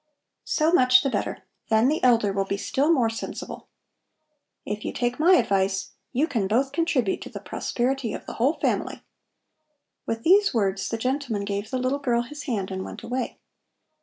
"So much the better. Then the elder will be still more sensible. If you take my advice you can both contribute to the prosperity of the whole family." With these words the gentleman gave the little girl his hand and went away.